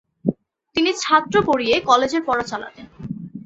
তিনি ছাত্র পড়িয়ে কলেজের পড়া চালাতেন।